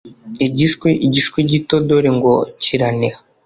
igishwi, igishwi gito dore ngo kiraniha